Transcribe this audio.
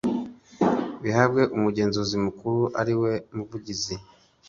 Bihabwe Umuyobozi mukuru ariwe Muvugizi